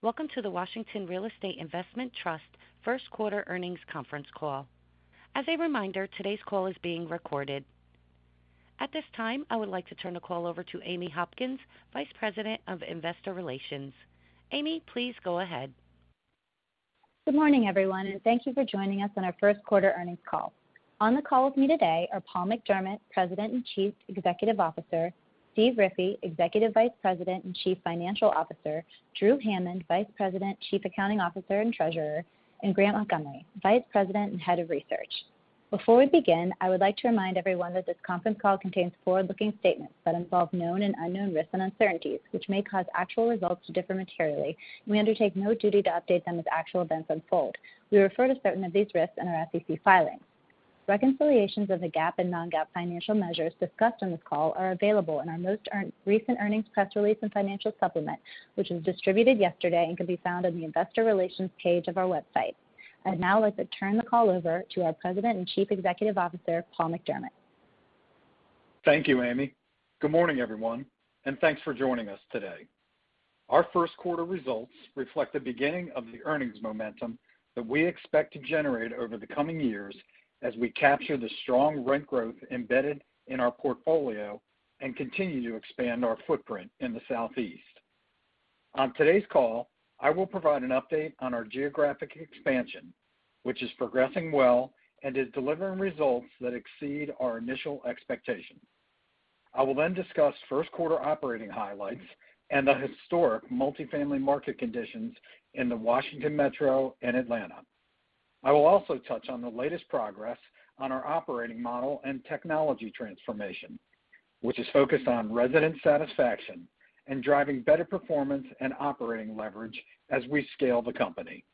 Welcome to the Elme Communities First Quarter Earnings Conference Call. As a reminder, today's call is being recorded. At this time, I would like to turn the call over to Amy Hopkins, Vice President of Investor Relations. Amy, please go ahead. Good morning, everyone, and thank you for joining us on our First Quarter Earnings Call. On the call with me today are Paul McDermott, President and Chief Executive Officer, Steven Riffee, Executive Vice President and Chief Financial Officer, Drew Hammond, Vice President, Chief Accounting Officer and Treasurer, and Grant Montgomery, Vice President and Head of Research. Before we begin, I would like to remind everyone that this conference call contains forward-looking statements that involve known and unknown risks and uncertainties, which may cause actual results to differ materially, and we undertake no duty to update them as actual events unfold. We refer to certain of these risks in our SEC filings. Recent earnings press release and financial supplement, which was distributed yesterday and can be found on the investor relations page of our website. I'd now like to turn the call over to our President and Chief Executive Officer, Paul McDermott. Thank you, Amy. Good morning, everyone, and thanks for joining us today. Our first quarter results reflect the beginning of the earnings momentum that we expect to generate over the coming years as we capture the strong rent growth embedded in our portfolio and continue to expand our footprint in the Southeast. On today's call, I will provide an update on our geographic expansion, which is progressing well and is delivering results that exceed our initial expectations. I will then discuss first quarter operating highlights and the historic multifamily market conditions in the Washington Metro and Atlanta. I will also touch on the latest progress on our operating model and technology transformation, which is focused on resident satisfaction and driving better performance and operating leverage as we scale the company.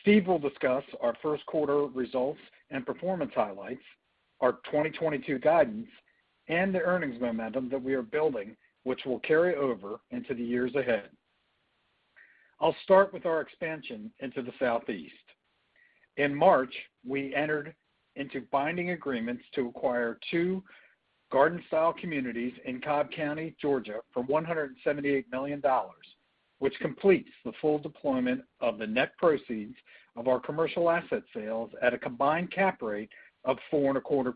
Steve will discuss our first quarter results and performance highlights, our 2022 guidance, and the earnings momentum that we are building, which will carry over into the years ahead. I'll start with our expansion into the Southeast. In March, we entered into binding agreements to acquire two garden-style communities in Cobb County, Georgia, for $178 million, which completes the full deployment of the net proceeds of our commercial asset sales at a combined cap rate of 4.25%.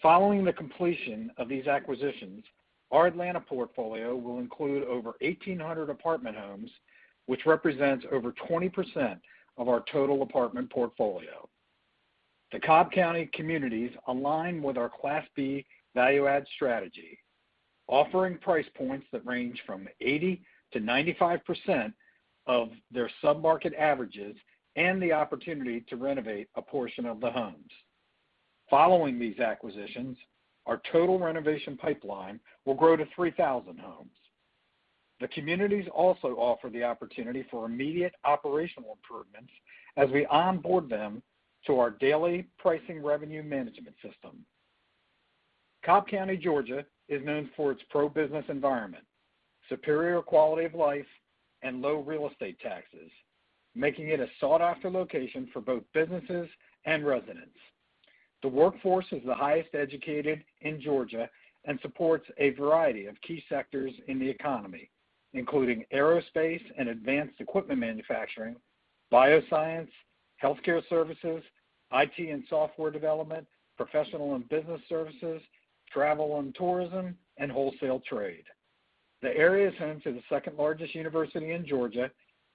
Following the completion of these acquisitions, our Atlanta portfolio will include over 1,800 apartment homes, which represents over 20% of our total apartment portfolio. The Cobb County communities align with our Class B value add strategy, offering price points that range from 80%-95% of their sub-market averages and the opportunity to renovate a portion of the homes. Following these acquisitions, our total renovation pipeline will grow to 3,000 homes. The communities also offer the opportunity for immediate operational improvements as we onboard them to our daily pricing revenue management system. Cobb County, Georgia, is known for its pro-business environment, superior quality of life, and low real estate taxes, making it a sought-after location for both businesses and residents. The workforce is the highest educated in Georgia and supports a variety of key sectors in the economy, including aerospace and advanced equipment manufacturing, bioscience, healthcare services, IT and software development, professional and business services, travel and tourism, and wholesale trade. The area is home to the second-largest university in Georgia,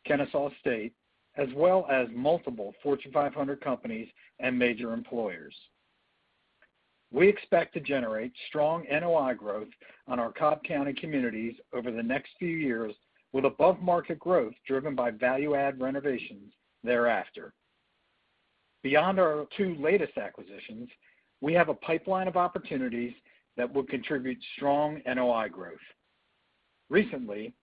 Kennesaw State, as well as multiple Fortune 500 companies and major employers. We expect to generate strong NOI growth on our Cobb County communities over the next few years, with above-market growth driven by value-add renovations thereafter. Beyond our two latest acquisitions, we have a pipeline of opportunities that will contribute strong NOI growth. Recently,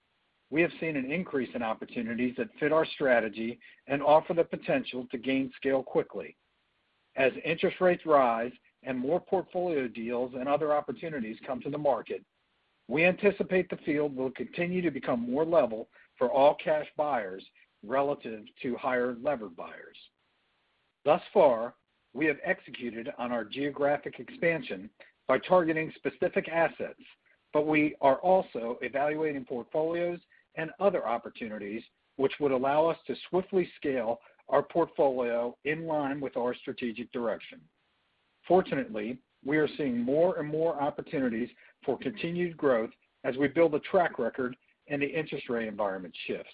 we have seen an increase in opportunities that fit our strategy and offer the potential to gain scale quickly. As interest rates rise and more portfolio deals and other opportunities come to the market, we anticipate the field will continue to become more level for all-cash buyers relative to highly levered buyers. Thus far, we have executed on our geographic expansion by targeting specific assets, but we are also evaluating portfolios and other opportunities which would allow us to swiftly scale our portfolio in line with our strategic direction. Fortunately, we are seeing more and more opportunities for continued growth as we build a track record and the interest rate environment shifts.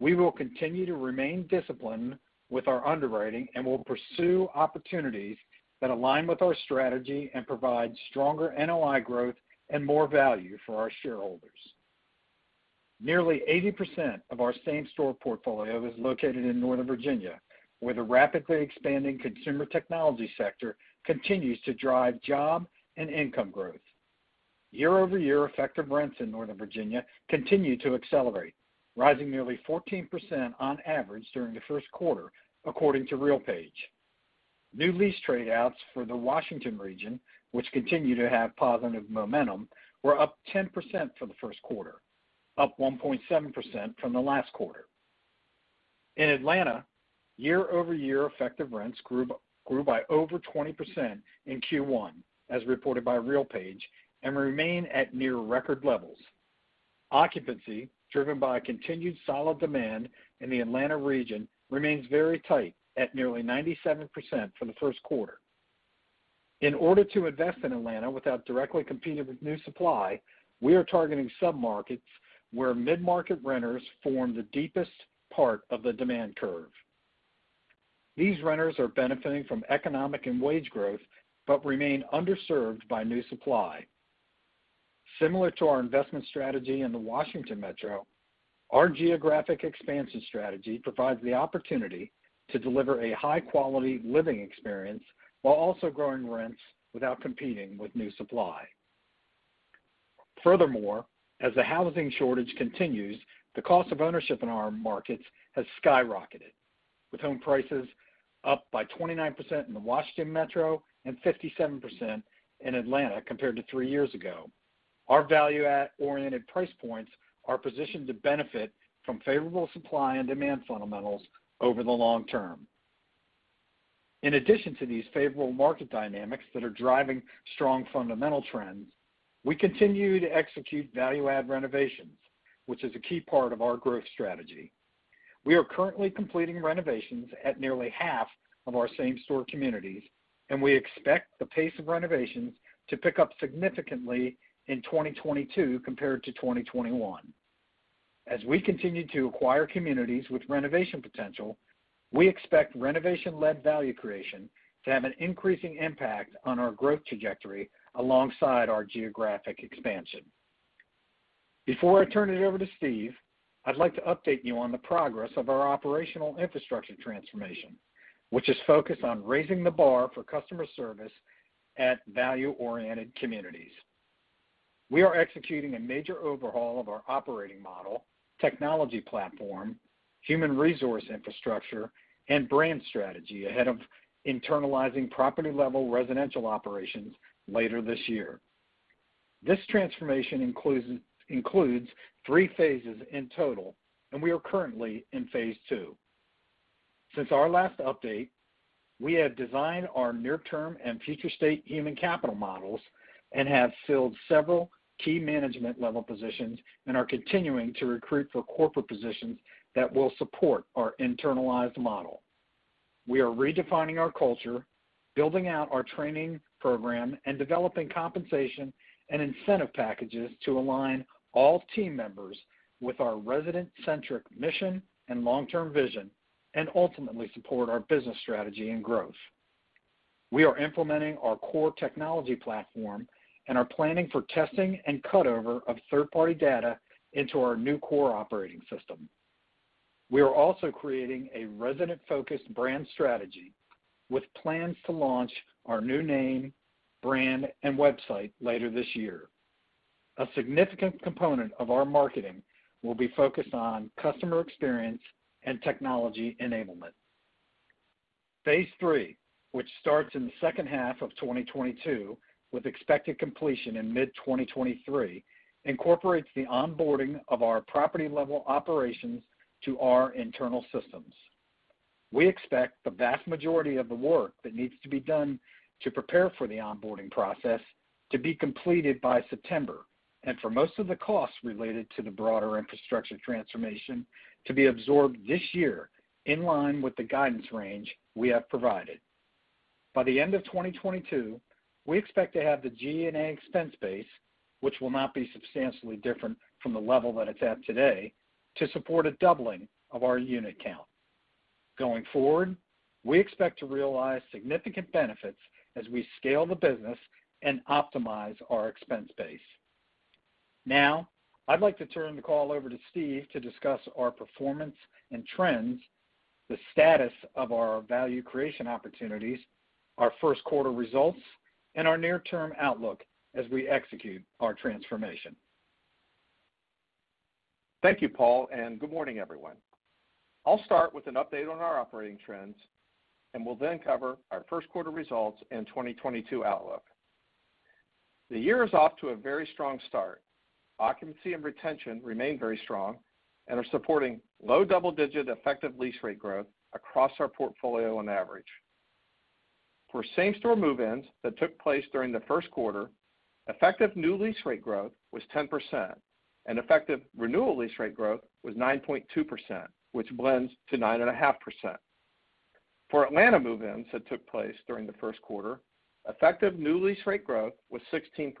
We will continue to remain disciplined with our underwriting and will pursue opportunities that align with our strategy and provide stronger NOI growth and more value for our shareholders. Nearly 80% of our same-store portfolio is located in Northern Virginia, where the rapidly expanding consumer technology sector continues to drive job and income growth. Year-over-year effective rents in Northern Virginia continue to accelerate, rising nearly 14% on average during the first quarter, according to RealPage. New lease trade-outs for the Washington region, which continue to have positive momentum, were up 10% for the first quarter, up 1.7% from the last quarter. In Atlanta, year-over-year effective rents grew by over 20% in Q1 as reported by RealPage, and remain at near record levels. Occupancy, driven by a continued solid demand in the Atlanta region, remains very tight at nearly 97% for the first quarter. In order to invest in Atlanta without directly competing with new supply, we are targeting submarkets where mid-market renters form the deepest part of the demand curve. These renters are benefiting from economic and wage growth, but remain underserved by new supply. Similar to our investment strategy in the Washington Metro, our geographic expansion strategy provides the opportunity to deliver a high-quality living experience while also growing rents without competing with new supply. Furthermore, as the housing shortage continues, the cost of ownership in our markets has skyrocketed, with home prices up by 29% in the Washington Metro and 57% in Atlanta compared to three years ago. Our value add-oriented price points are positioned to benefit from favorable supply and demand fundamentals over the long term. In addition to these favorable market dynamics that are driving strong fundamental trends, we continue to execute value add renovations, which is a key part of our growth strategy. We are currently completing renovations at nearly half of our same store communities, and we expect the pace of renovations to pick up significantly in 2022 compared to 2021. As we continue to acquire communities with renovation potential, we expect renovation-led value creation to have an increasing impact on our growth trajectory alongside our geographic expansion. Before I turn it over to Steve, I'd like to update you on the progress of our operational infrastructure transformation, which is focused on raising the bar for customer service at value-oriented communities. We are executing a major overhaul of our operating model, technology platform, human resource infrastructure, and brand strategy ahead of internalizing property-level residential operations later this year. This transformation includes three phases in total, and we are currently in phase II. Since our last update, we have designed our near-term and future state human capital models and have filled several key management level positions and are continuing to recruit for corporate positions that will support our internalized model. We are redefining our culture, building out our training program, and developing compensation and incentive packages to align all team members with our resident-centric mission and long-term vision, and ultimately support our business strategy and growth. We are implementing our core technology platform and are planning for testing and cutover of third-party data into our new core operating system. We are also creating a resident-focused brand strategy with plans to launch our new name, brand, and website later this year. A significant component of our marketing will be focused on customer experience and technology enablement. Phase III, which starts in the second half of 2022 with expected completion in mid-2023, incorporates the onboarding of our property-level operations to our internal systems. We expect the vast majority of the work that needs to be done to prepare for the onboarding process to be completed by September, and for most of the costs related to the broader infrastructure transformation to be absorbed this year, in line with the guidance range we have provided. By the end of 2022, we expect to have the G&A expense base, which will not be substantially different from the level that it's at today, to support a doubling of our unit count. Going forward, we expect to realize significant benefits as we scale the business and optimize our expense base. Now I'd like to turn the call over to Steve to discuss our performance and trends, the status of our value creation opportunities, our first quarter results, and our near-term outlook as we execute our transformation. Thank you, Paul, and good morning, everyone. I'll start with an update on our operating trends and will then cover our First Quarter Results and 2022 Outlook. The year is off to a very strong start. Occupancy and retention remain very strong and are supporting low double-digit effective lease rate growth across our portfolio on average. For same store move-ins that took place during the first quarter, effective new lease rate growth was 10% and effective renewal lease rate growth was 9.2%, which blends to 9.5%. For Atlanta move-ins that took place during the first quarter, effective new lease rate growth was 16%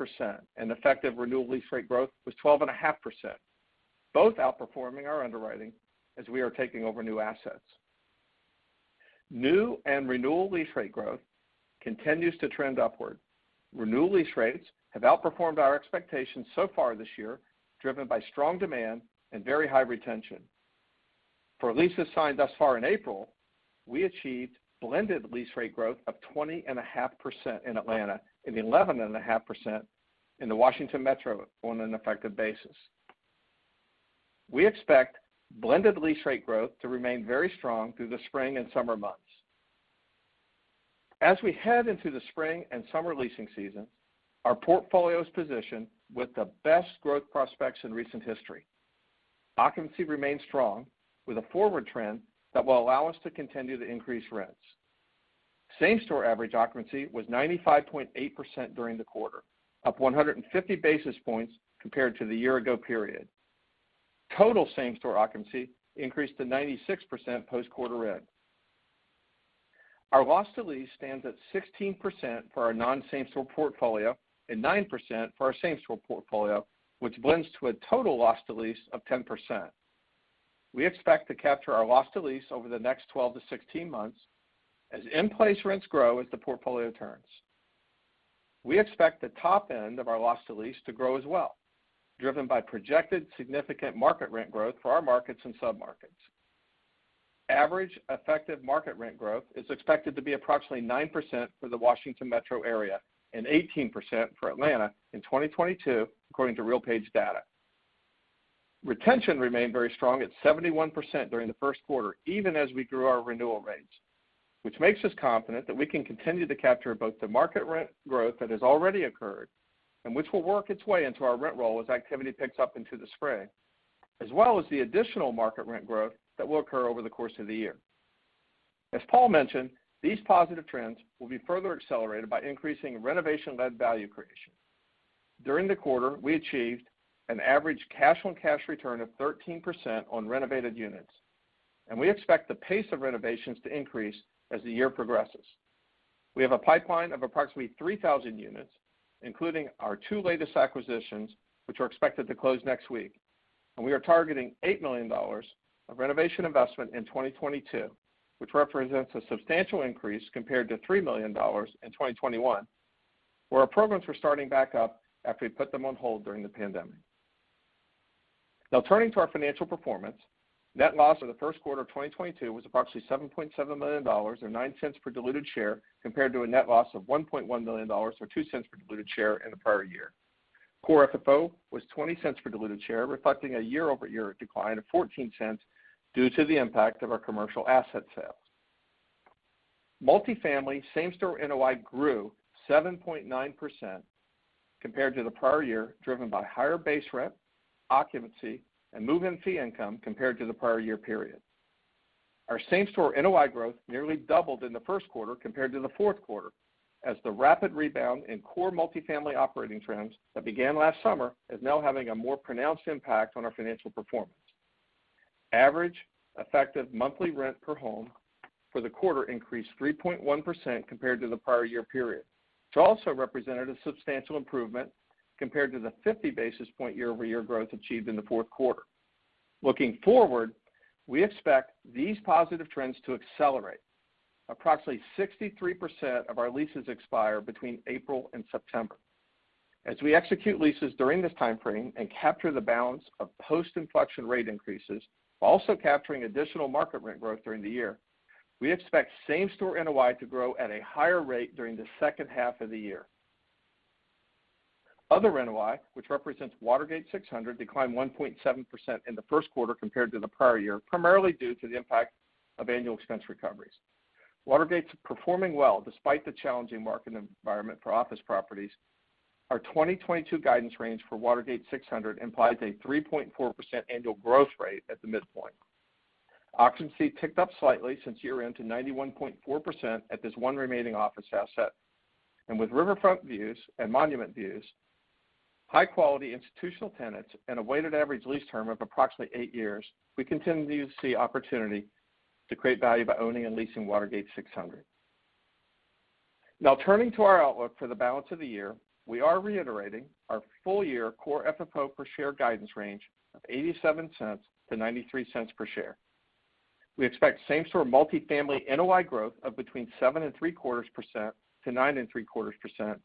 and effective renewal lease rate growth was 12.5%, both outperforming our underwriting as we are taking over new assets. New and renewal lease rate growth continues to trend upward. Renewal lease rates have outperformed our expectations so far this year, driven by strong demand and very high retention. For leases signed thus far in April, we achieved blended lease rate growth of 20.5% in Atlanta and 11.5% in the Washington Metro on an effective basis. We expect blended lease rate growth to remain very strong through the spring and summer months. As we head into the spring and summer leasing season, our portfolio is positioned with the best growth prospects in recent history. Occupancy remains strong, with a forward trend that will allow us to continue to increase rents. Same-store average occupancy was 95.8% during the quarter, up 150 basis points compared to the year ago period. Total same-store occupancy increased to 96% post-quarter end. Our loss to lease stands at 16% for our non-same store portfolio and 9% for our same store portfolio, which blends to a total loss to lease of 10%. We expect to capture our loss to lease over the next 12-16 months as in-place rents grow as the portfolio turns. We expect the top end of our loss to lease to grow as well, driven by projected significant market rent growth for our markets and submarkets. Average effective market rent growth is expected to be approximately 9% for the Washington Metro area and 18% for Atlanta in 2022, according to RealPage data. Retention remained very strong at 71% during the first quarter, even as we grew our renewal rates, which makes us confident that we can continue to capture both the market rent growth that has already occurred and which will work its way into our rent roll as activity picks up into the spring, as well as the additional market rent growth that will occur over the course of the year. As Paul mentioned, these positive trends will be further accelerated by increasing renovation-led value creation. During the quarter, we achieved an average cash-on-cash return of 13% on renovated units, and we expect the pace of renovations to increase as the year progresses. We have a pipeline of approximately 3,000 units, including our two latest acquisitions, which are expected to close next week. We are targeting $8 million of renovation investment in 2022, which represents a substantial increase compared to $3 million in 2021, where our programs were starting back up after we put them on hold during the pandemic. Now turning to our financial performance. Net loss for the first quarter of 2022 was approximately $7.7 million, or $0.09 per diluted share, compared to a net loss of $1.1 million, or $0.02 per diluted share in the prior year. Core FFO was $0.20 per diluted share, reflecting a year-over-year decline of $0.14 due to the impact of our commercial asset sales. Multifamily same-store NOI grew 7.9% compared to the prior year, driven by higher base rent, occupancy, and move-in fee income compared to the prior year period. Our same-store NOI growth nearly doubled in the first quarter compared to the fourth quarter as the rapid rebound in core multifamily operating trends that began last summer is now having a more pronounced impact on our financial performance. Average effective monthly rent per home for the quarter increased 3.1% compared to the prior year period, which also represented a substantial improvement compared to the 50 basis point year-over-year growth achieved in the fourth quarter. Looking forward, we expect these positive trends to accelerate. Approximately 63% of our leases expire between April and September. As we execute leases during this time frame and capture the balance of post-inflection rate increases, while also capturing additional market rent growth during the year, we expect same-store NOI to grow at a higher rate during the second half of the year. Other NOI, which represents Watergate 600, declined 1.7% in the first quarter compared to the prior year, primarily due to the impact of annual expense recoveries. Watergate's performing well despite the challenging market environment for office properties. Our 2022 guidance range for Watergate 600 implies a 3.4% annual growth rate at the midpoint. Occupancy ticked up slightly since year-end to 91.4% at this one remaining office asset. With riverfront views and monument views, high-quality institutional tenants, and a weighted average lease term of approximately 8 years, we continue to see opportunity to create value by owning and leasing Watergate 600. Now turning to our outlook for the balance of the year. We are reiterating our full-year core FFO per share guidance range of $0.87-$0.93 per share. We expect same-store multifamily NOI growth of between 7.75% to 9.75%,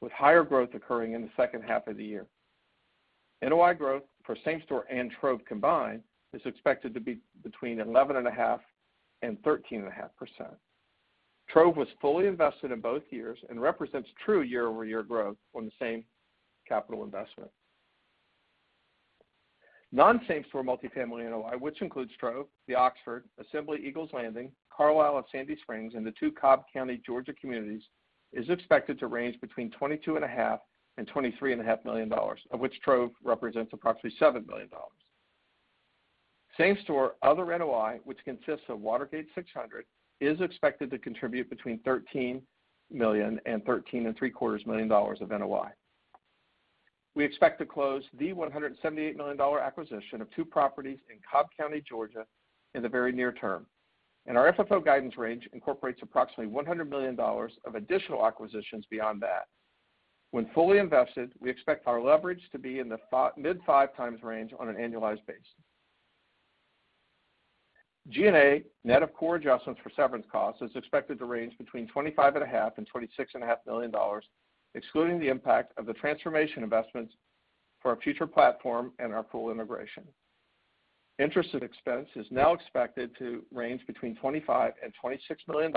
with higher growth occurring in the second half of the year. NOI growth for same-store and Trove combined is expected to be between 11.5% and 13.5%. Trove was fully invested in both years and represents true year-over-year growth on the same capital investment. Non-same store multifamily NOI, which includes Trove, The Oxford, Assembly Eagles Landing, Carlisle at Sandy Springs, and the two Cobb County, Georgia communities, is expected to range between $22.5 million and $23.5 million, of which Trove represents approximately $7 million. Same-store other NOI, which consists of Watergate 600, is expected to contribute between $13 million and $13.75 million of NOI. We expect to close the $178 million acquisition of two properties in Cobb County, Georgia, in the very near term, and our FFO guidance range incorporates approximately $100 million of additional acquisitions beyond that. When fully invested, we expect our leverage to be in the mid-5x range on an annualized basis. G&A, net of core adjustments for severance costs, is expected to range between $25.5 and $26.5 million, excluding the impact of the transformation investments for our future platform and our pool integration. Interest and expense is now expected to range between $25 and $26 million,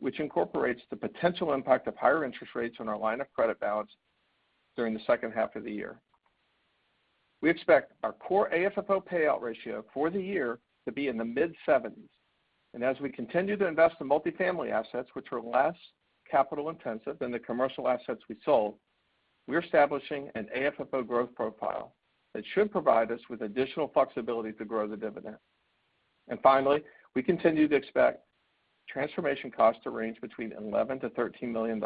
which incorporates the potential impact of higher interest rates on our line of credit balance during the second half of the year. We expect our core AFFO payout ratio for the year to be in the mid-70s%. As we continue to invest in multifamily assets, which are less capital intensive than the commercial assets we sold, we're establishing an AFFO growth profile that should provide us with additional flexibility to grow the dividend. Finally, we continue to expect transformation costs to range between $11 million-$13 million.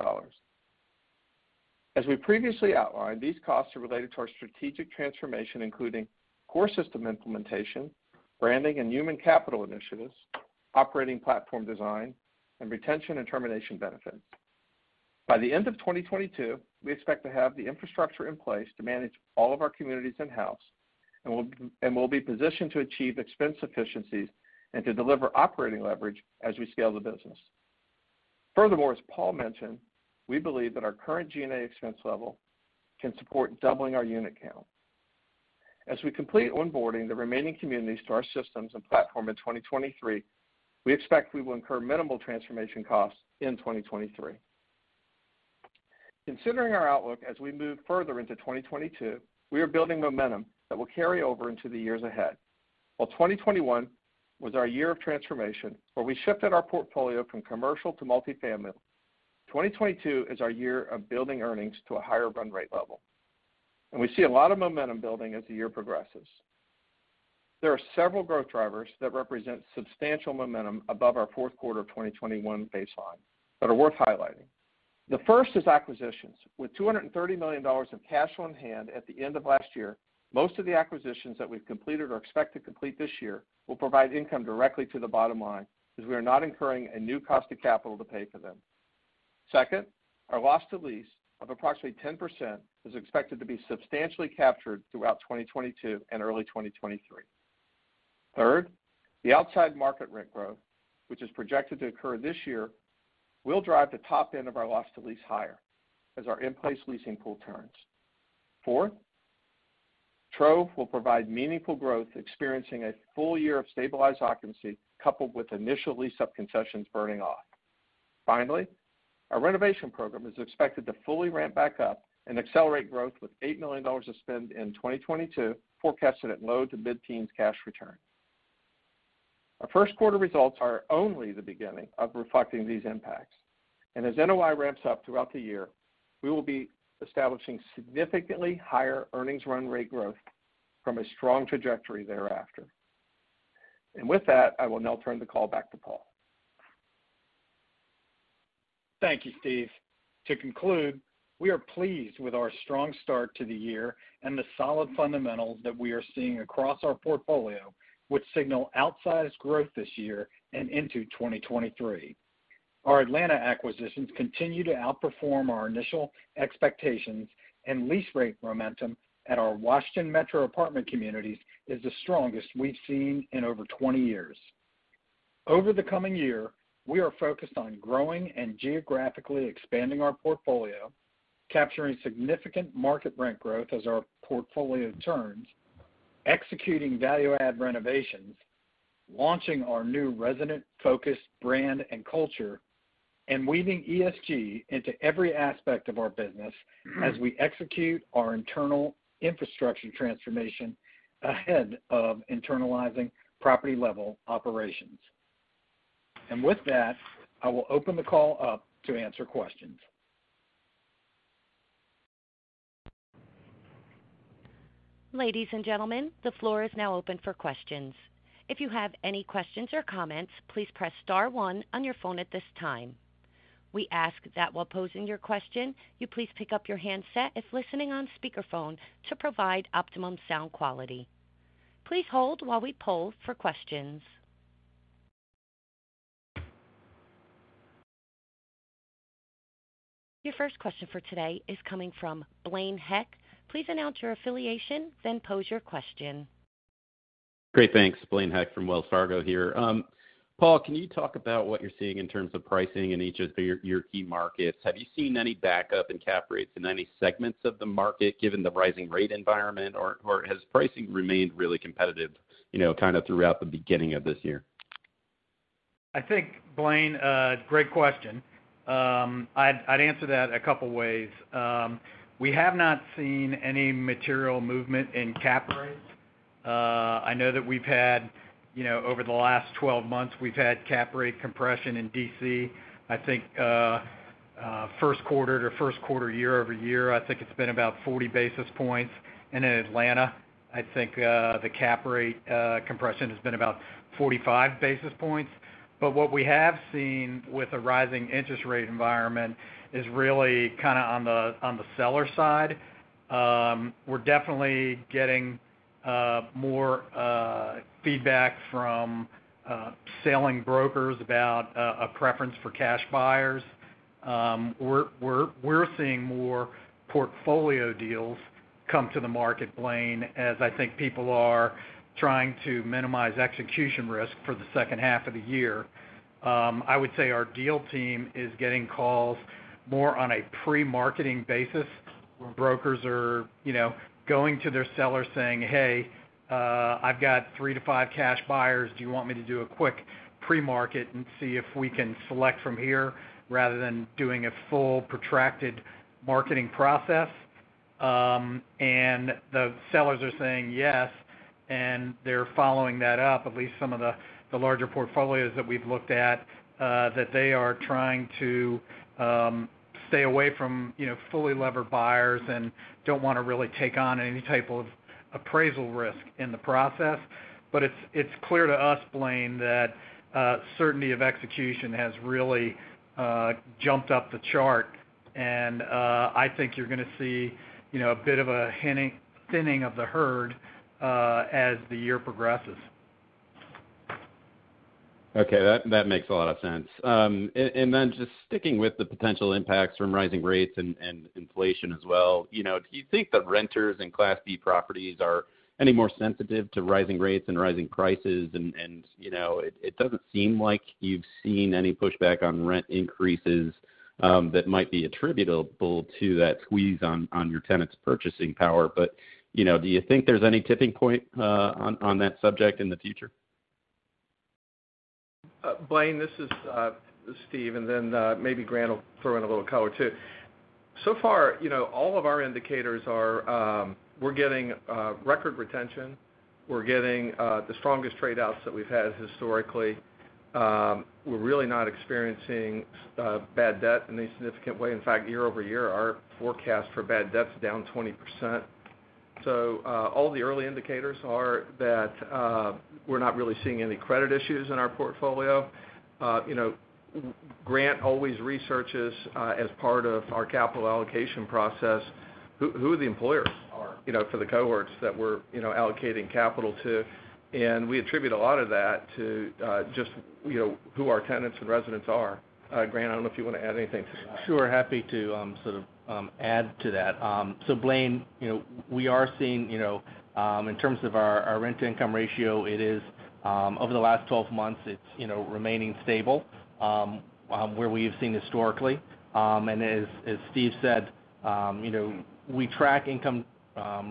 As we previously outlined, these costs are related to our strategic transformation, including core system implementation, branding and human capital initiatives, operating platform design, and retention and termination benefits. By the end of 2022, we expect to have the infrastructure in place to manage all of our communities in-house, and we'll be positioned to achieve expense efficiencies and to deliver operating leverage as we scale the business. Furthermore, as Paul mentioned, we believe that our current G&A expense level can support doubling our unit count. As we complete onboarding the remaining communities to our systems and platform in 2023, we expect we will incur minimal transformation costs in 2023. Considering our outlook as we move further into 2022, we are building momentum that will carry over into the years ahead. While 2021 was our year of transformation, where we shifted our portfolio from commercial to multifamily, 2022 is our year of building earnings to a higher run rate level. We see a lot of momentum building as the year progresses. There are several growth drivers that represent substantial momentum above our fourth quarter of 2021 baseline that are worth highlighting. The first is acquisitions. With $230 million of cash on hand at the end of last year, most of the acquisitions that we've completed or expect to complete this year will provide income directly to the bottom line as we are not incurring a new cost of capital to pay for them. Second, our loss to lease of approximately 10% is expected to be substantially captured throughout 2022 and early 2023. Third, the outsize market rent growth, which is projected to occur this year, will drive the top end of our loss to lease higher as our in-place leasing pool turns. Fourth, Trove will provide meaningful growth experiencing a full year of stabilized occupancy coupled with initial lease-up concessions burning off. Finally, our renovation program is expected to fully ramp back up and accelerate growth with $8 million to spend in 2022, forecasted at low- to mid-teens% cash return. Our first quarter results are only the beginning of reflecting these impacts. As NOI ramps up throughout the year, we will be establishing significantly higher earnings run rate growth from a strong trajectory thereafter. With that, I will now turn the call back to Paul. Thank you, Steve. To conclude, we are pleased with our strong start to the year and the solid fundamentals that we are seeing across our portfolio, which signal outsized growth this year and into 2023. Our Atlanta acquisitions continue to outperform our initial expectations, and lease rate momentum at our Washington Metro apartment communities is the strongest we've seen in over 20 years. Over the coming year, we are focused on growing and geographically expanding our portfolio, capturing significant market rent growth as our portfolio turns, executing value-add renovations, launching our new resident-focused brand and culture, and weaving ESG into every aspect of our business as we execute our internal infrastructure transformation ahead of internalizing property-level operations. With that, I will open the call up to answer questions. Ladies and gentlemen, the floor is now open for questions. If you have any questions or comments, please press star one on your phone at this time. We ask that while posing your question, you please pick up your handset if listening on speakerphone to provide optimum sound quality. Please hold while we poll for questions. Your first question for today is coming from Blaine Heck. Please announce your affiliation, then pose your question. Great. Thanks. Blaine Heck from Wells Fargo here. Paul, can you talk about what you're seeing in terms of pricing in each of your key markets? Have you seen any backup in cap rates in any segments of the market given the rising rate environment, or has pricing remained really competitive, you know, kind of throughout the beginning of this year? I think, Blaine, great question. I'd answer that a couple ways. We have not seen any material movement in cap rates. I know that we've had, you know, over the last 12 months, we've had cap rate compression in DC. I think, first quarter to first quarter year-over-year, I think it's been about 40 basis points. In Atlanta, I think, the cap rate compression has been about 45 basis points. What we have seen with the rising interest rate environment is really kind of on the seller side. We're definitely getting more feedback from selling brokers about a preference for cash buyers. We're seeing more portfolio deals come to the market, Blaine, as I think people are trying to minimize execution risk for the second half of the year. I would say our deal team is getting calls more on a pre-marketing basis, where brokers are, you know, going to their sellers saying, "Hey, I've got three to five cash buyers. Do you want me to do a quick pre-market and see if we can select from here rather than doing a full protracted marketing process?" The sellers are saying yes, and they're following that up, at least some of the larger portfolios that we've looked at, that they are trying to stay away from, you know, fully levered buyers and don't wanna really take on any type of appraisal risk in the process. It's clear to us, Blaine, that certainty of execution has really jumped up the chart. I think you're gonna see, you know, a bit of a thinning of the herd as the year progresses. Okay. That makes a lot of sense. Just sticking with the potential impacts from rising rates and inflation as well, you know, do you think that renters in Class B properties are any more sensitive to rising rates and rising prices? You know, it doesn't seem like you've seen any pushback on rent increases, that might be attributable to that squeeze on your tenants' purchasing power. You know, do you think there's any tipping point on that subject in the future? Blaine, this is Steven, and then maybe Grant will throw in a little color too. So far, you know, all of our indicators are we're getting record retention. We're getting the strongest trade-outs that we've had historically. We're really not experiencing bad debt in any significant way. In fact, year-over-year, our forecast for bad debt's down 20%. All the early indicators are that we're not really seeing any credit issues in our portfolio. You know, Grant always researches as part of our capital allocation process who the employers are, you know, for the cohorts that we're, you know, allocating capital to. We attribute a lot of that to just, you know, who our tenants and residents are. Grant, I don't know if you wanna add anything to that. Sure. Happy to, sort of, add to that. Blaine, you know, we are seeing, you know, in terms of our rent-to-income ratio, it is over the last 12 months, it's, you know, remaining stable, where we have seen historically. As Steve said, you know, we track income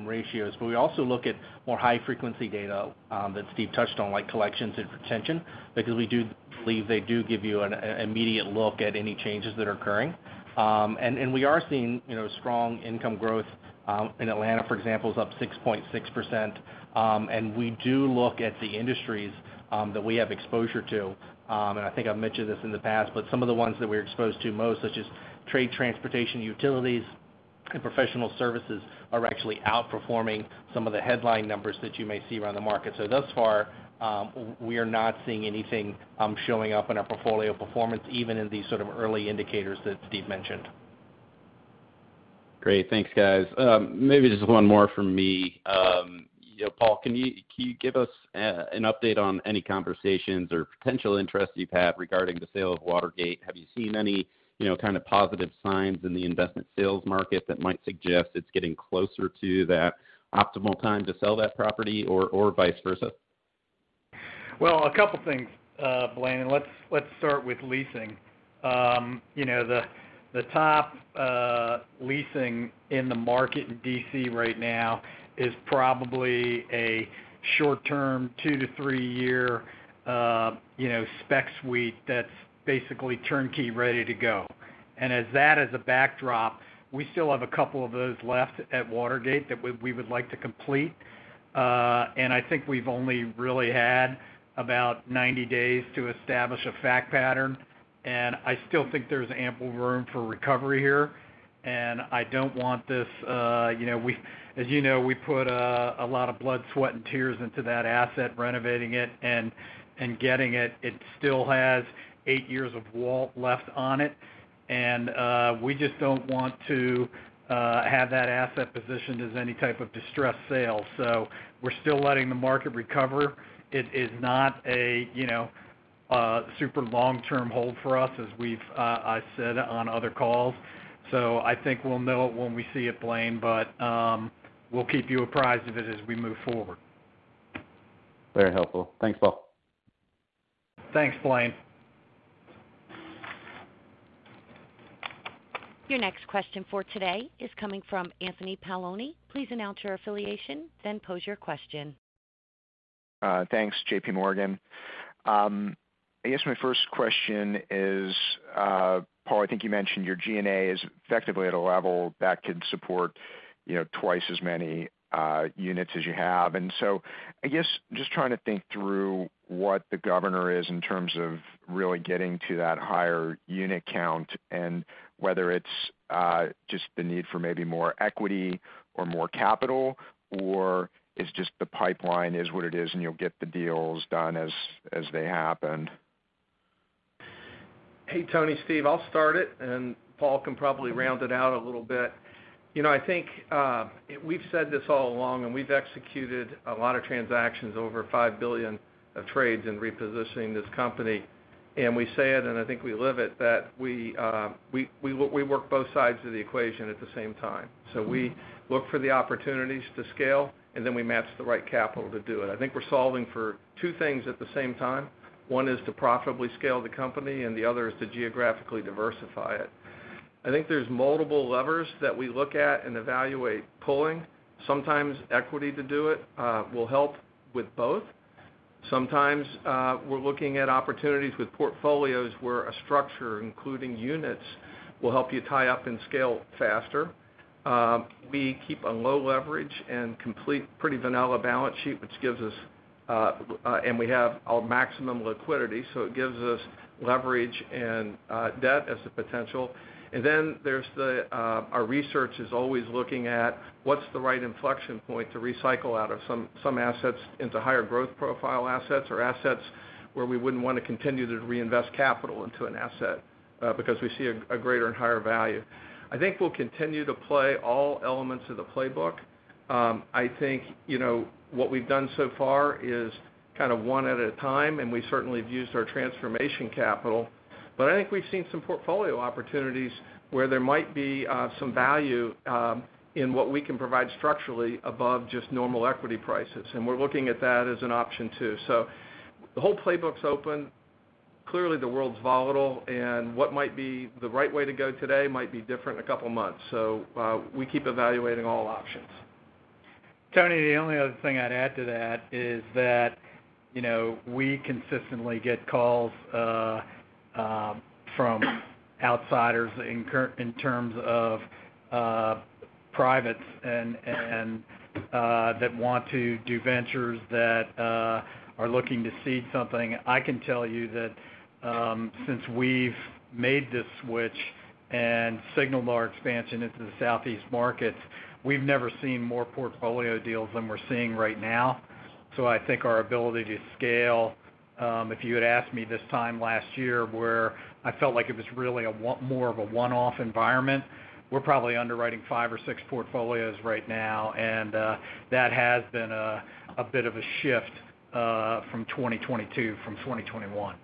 ratios, but we also look at more high-frequency data that Steve touched on, like collections and retention, because we do believe they do give you an immediate look at any changes that are occurring. We are seeing, you know, strong income growth in Atlanta, for example, is up 6.6%. We do look at the industries that we have exposure to. I think I've mentioned this in the past, but some of the ones that we're exposed to most, such as trade, transportation, utilities, and professional services, are actually outperforming some of the headline numbers that you may see around the market. Thus far, we are not seeing anything showing up in our portfolio performance, even in these sort of early indicators that Steve mentioned. Great. Thanks, guys. Maybe just one more from me. You know, Paul, can you give us an update on any conversations or potential interest you've had regarding the sale of Watergate? Have you seen any, you know, kind of positive signs in the investment sales market that might suggest it's getting closer to that optimal time to sell that property or vice versa? Well, a couple things, Blaine, and let's start with leasing. You know, the top leasing in the market in D.C. right now is probably a short-term, 2- to 3-year, you know, spec suite that's basically turnkey, ready to go. As that as a backdrop, we still have a couple of those left at Watergate that we would like to complete. I think we've only really had about 90 days to establish a fact pattern, and I still think there's ample room for recovery here. I don't want this, you know, as you know, we put a lot of blood, sweat, and tears into that asset, renovating it and getting it. It still has eight years of WALT left on it, and we just don't want to have that asset positioned as any type of distressed sale. We're still letting the market recover. It is not a, you know, a super long-term hold for us, as we've, I said on other calls. I think we'll know it when we see it, Blaine, but we'll keep you apprised of it as we move forward. Very helpful. Thanks, Paul. Thanks, Blaine. Your next question for today is coming from Anthony Paolone. Please announce your affiliation, then pose your question. Thanks, J.P. Morgan. I guess my first question is, Paul, I think you mentioned your G&A is effectively at a level that could support, you know, twice as many units as you have. I guess just trying to think through what the governor is in terms of really getting to that higher unit count and whether it's just the need for maybe more equity or more capital, or is just the pipeline is what it is, and you'll get the deals done as they happen. Hey, Anthony. Steve, I'll start it, and Paul can probably round it out a little bit. You know, I think, we've said this all along, and we've executed a lot of transactions, over $5 billion of trades in repositioning this company. We say it, and I think we live it, that we work both sides of the equation at the same time. We look for the opportunities to scale, and then we match the right capital to do it. I think we're solving for two things at the same time. One is to profitably scale the company, and the other is to geographically diversify it. I think there's multiple levers that we look at and evaluate pulling. Sometimes equity to do it will help with both. Sometimes, we're looking at opportunities with portfolios where a structure, including units, will help you tie up and scale faster. We keep a low leverage and complete pretty vanilla balance sheet, which gives us, and we have our maximum liquidity, so it gives us leverage and debt as a potential. Then there's our research is always looking at what's the right inflection point to recycle out of some assets into higher growth profile assets or assets where we wouldn't wanna continue to reinvest capital into an asset, because we see a greater and higher value. I think we'll continue to play all elements of the playbook. I think, you know, what we've done so far is kind of one at a time, and we certainly have used our transformation capital. I think we've seen some portfolio opportunities where there might be some value in what we can provide structurally above just normal equity prices, and we're looking at that as an option too. The whole playbook's open. Clearly, the world's volatile, and what might be the right way to go today might be different in a couple of months. We keep evaluating all options. Anthony, the only other thing I'd add to that is that, you know, we consistently get calls from outsiders in terms of privates and that want to do ventures that are looking to seed something. I can tell you that since we've made this switch and signaled our expansion into the Southeast markets, we've never seen more portfolio deals than we're seeing right now. So I think our ability to scale, if you had asked me this time last year, where I felt like it was really more of a one-off environment, we're probably underwriting 5 or 6 portfolios right now. That has been a bit of a shift from 2022 from 2021.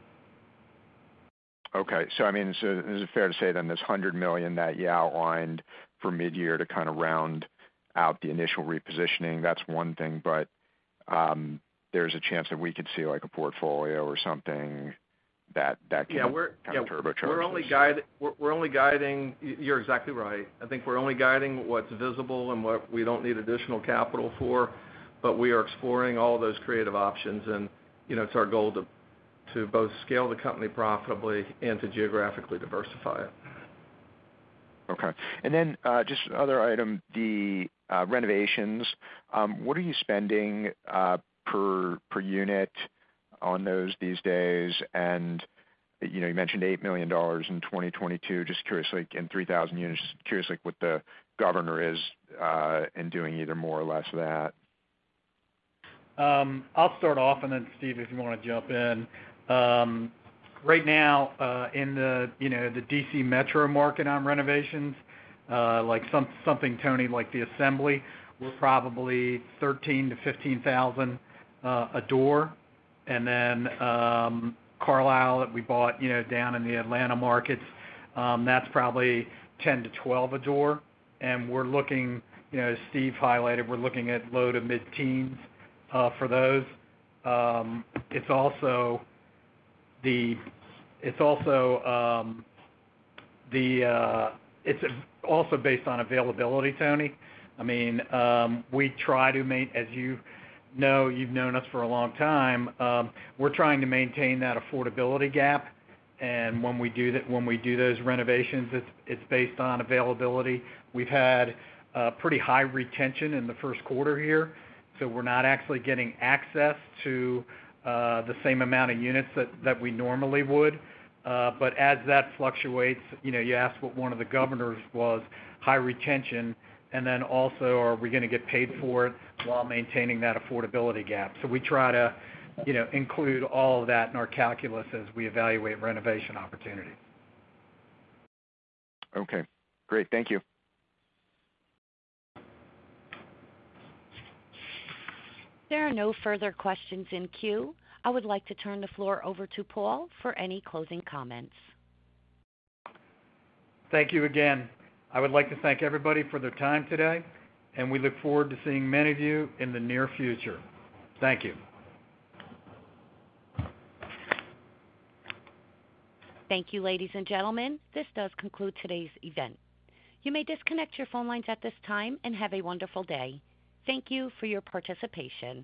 Okay. I mean, is it fair to say then this $100 million that you outlined for midyear to kind of round out the initial repositioning, that's one thing, but there's a chance that we could see like a portfolio or something that can kind of turbocharge this? We're only guiding... You're exactly right. I think we're only guiding what's visible and what we don't need additional capital for, but we are exploring all those creative options. You know, it's our goal to both scale the company profitably and to geographically diversify it. Okay. Just another item, the renovations, what are you spending per unit on those these days? You know, you mentioned $8 million in 2022. Just curious, like in 3,000 units, just curious, like, what the guidance is in doing either more or less of that. I'll start off, and then Steve, if you wanna jump in. Right now, in you know, the D.C. Metro market on renovations, like something, Tony, like the Assembly, we're probably $13,000-$15,000 a door. Carlisle that we bought, you know, down in the Atlanta markets, that's probably $10,000-$12,000 a door. We're looking, you know, as Steve highlighted, we're looking at low to mid-teens for those. It's also based on availability, Tony. I mean, as you know, you've known us for a long time, we're trying to maintain that affordability gap. When we do those renovations, it's based on availability. We've had pretty high retention in the first quarter here, so we're not actually getting access to the same amount of units that we normally would. But as that fluctuates, you know, you asked what one of the governors was, high retention, and then also, are we gonna get paid for it while maintaining that affordability gap. We try to, you know, include all of that in our calculus as we evaluate renovation opportunities. Okay. Great. Thank you. There are no further questions in queue. I would like to turn the floor over to Paul for any closing comments. Thank you again. I would like to thank everybody for their time today, and we look forward to seeing many of you in the near future. Thank you. Thank you, ladies and gentlemen. This does conclude today's event. You may disconnect your phone lines at this time, and have a wonderful day. Thank you for your participation.